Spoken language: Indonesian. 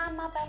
oh pak pak